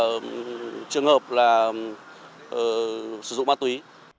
trong đó có một trường hợp là sử dụng ma túy